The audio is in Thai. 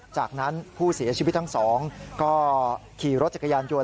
จากนั้นผู้เสียชีวิตทั้งสองก็ขี่รถจักรยานยนต